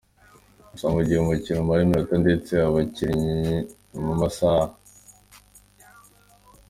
gusa mu gihe umukino umara iminota ndetse bakinnyi mu masaha ya.